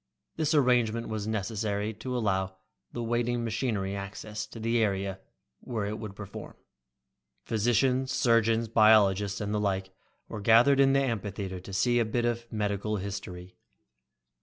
This arrangement was necessary to allow the waiting machinery access to the area where it would perform. Physicians, surgeons, biologists and the like were gathered in the amphitheater to see a bit of medical history.